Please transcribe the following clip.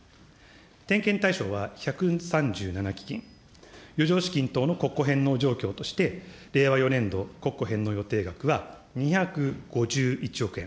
点検対象は１３７基金、余剰資金等の国庫返納状況として、令和４年度、国庫返納予定額は２５１億円。